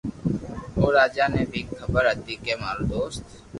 او راجا ني ڀي خبر ھتي ڪي مارو دوست